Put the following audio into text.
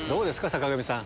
坂上さん。